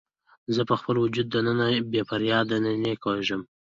زه په خپل وجود دننه بې فریاده نینې کیږم